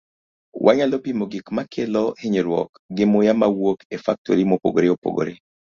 Wanyalo pimo gik ma kelo hinyruok gi muya mawuok e faktori mopogore opogore.